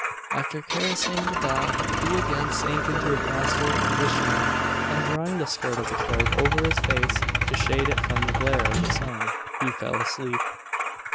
After caressing the dog he again sank into a prostrate position; and, drawing the skirt of the cloak over his face to shade it from the glare of the sun, he fell asleep.